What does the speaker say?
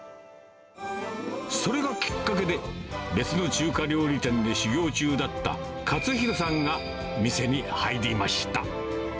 それがきっかけで、別の中華料理店で修業中だった勝弘さんが店に入りました。